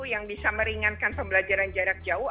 yang bisa meringankan pembelajaran jarak jauh